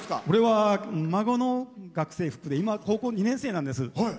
これは孫の学生服で今高校２年生なんです。